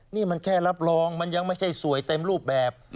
นี่มันแค่รับรองมันยังไม่ใช่สวยเต็มรูปแบบ